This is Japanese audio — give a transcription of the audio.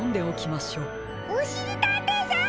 おしりたんていさん！